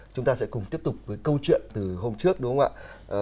chúng ta sẽ cùng tiếp tục với câu chuyện từ hôm trước đúng không ạ